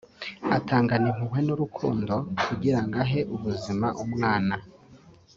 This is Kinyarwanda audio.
atangana impuhwe n’urukundo kugira ngo ahe ubuzima umwana